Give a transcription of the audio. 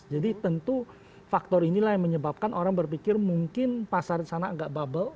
jadi tentu faktor inilah yang menyebabkan orang berpikir mungkin pasar di sana agak bubble